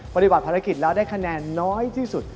ปฏิบัติภารกิจแล้วได้คะแนนน้อยที่สุด